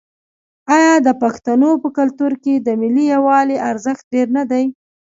آیا د پښتنو په کلتور کې د ملي یووالي ارزښت ډیر نه دی؟